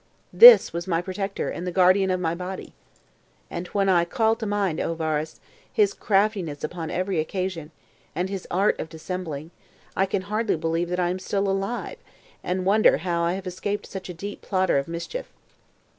This was my protector, and the guardian of my body! And when I call to mind, O Varus, his craftiness upon every occasion, and his art of dissembling, I can hardly believe that I am still alive, and I wonder how I have escaped such a deep plotter of mischief.